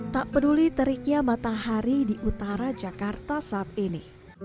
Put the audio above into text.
tak peduli teriknya matahari di utara jakarta saat ini